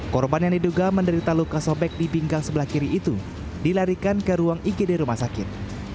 korban yang diduga menderita luka sobek di pinggang sebelah kiri itu dilarikan ke ruang igd rumah sakit